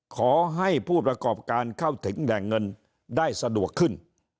ขอให้ผู้ประกอบการเข้าถึงแหล่งเงินได้สะดวกขึ้น